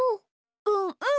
うんうん！